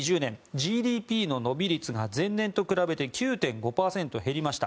ＧＤＰの伸び率が前年と比べて９．５％減りました。